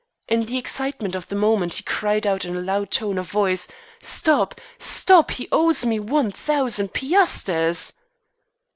In the excitement of the moment he cried out in a loud tone of voice: "Stop! Stop! He owes me one thousand piasters."